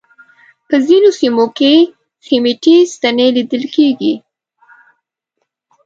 په ځینو سیمو کې سیمټي ستنې لیدل کېږي.